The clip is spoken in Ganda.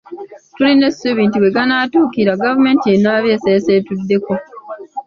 Tulina essuubi nti we ganaatuukira gavumenti enaaba eseesetuddeko.